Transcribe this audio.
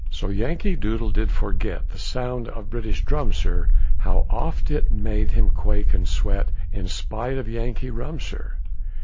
So Yankee Doodle did forget The sound of British drum, sir, How oft it made him quake and sweat, In spite of Yankee rum, sir.